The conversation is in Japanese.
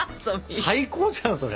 最高じゃんそれ。